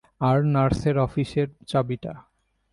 আর নার্সের অফিসের চাবিটা।